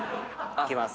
いきます。